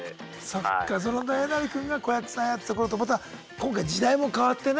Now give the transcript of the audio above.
そんなえなり君が子役さんやってた頃とまた今回時代も変わってね